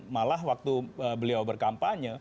malah waktu beliau berkampanye